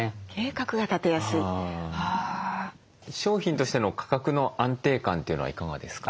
商品としての価格の安定感というのはいかがですか？